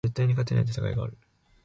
絶対に勝てない戦いがある